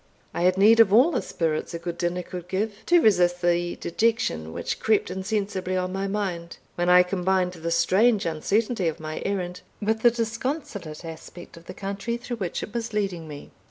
I had need of all the spirits a good dinner could give, to resist the dejection which crept insensibly on my mind, when I combined the strange uncertainty of my errand with the disconsolate aspect of the country through which it was leading me.